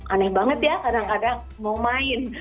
aneh banget ya kadang kadang mau main